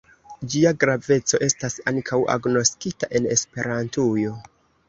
Ĝia graveco estas ankaŭ agnoskita en Esperantujo.